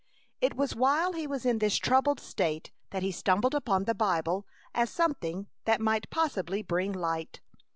It was while he was in this troubled state that he stumbled upon the Bible as something that might possibly bring light.